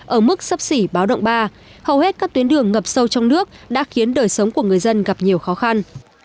ở mức sấp xỉ báo động ba hầu hết các tuyến đường ngập sâu trong nước đã khiến đời sống của người dân gặp nhiều khó khăn